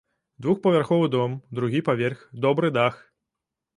Двухпавярховы дом, другі паверх, добры дах.